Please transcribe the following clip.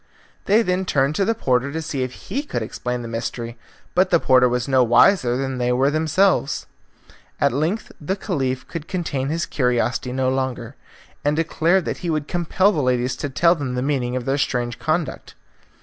They then turned to the porter to see if he could explain the mystery, but the porter was no wiser than they were themselves. At length the Caliph could contain his curiosity no longer, and declared that he would compel the ladies to tell them the meaning of their strange conduct.